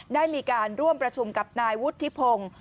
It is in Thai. ได้มีการร่วมประชุมกับนายวุฒิพงศ์